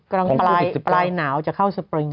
กลางปลายหนาวจะเข้าสปริง